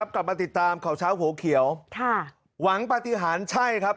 กลับมาติดตามข่าวเช้าหัวเขียวค่ะหวังปฏิหารใช่ครับ